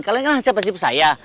kalian kan siapa sih saya